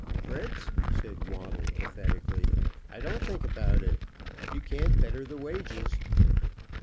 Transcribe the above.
"Fritz," said Waddle pathetically, "don't think about it. You can't better the wages."